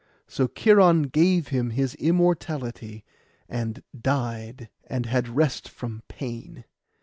So Cheiron gave him his immortality, and died, and had rest from pain.